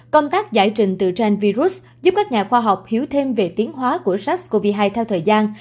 công tác giải trình từ trang virus giúp các nhà khoa học hiểu thêm về tiến hóa của sars cov hai theo thời gian